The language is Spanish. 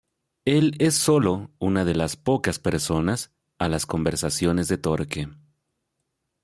Él es sólo una de las pocas personas a las conversaciones de Torque.